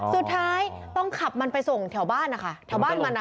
สุดท้ายต้องขับมันไปส่งแถวบ้านนะคะแถวบ้านมันนะคะ